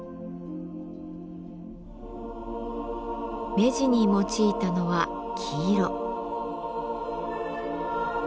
目地に用いたのは黄色。